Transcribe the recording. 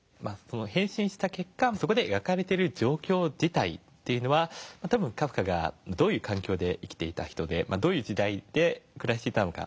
変身した結果そこで描かれてる状況自体というのは多分カフカがどういう環境で生きていた人でどういう時代で暮らしていたのか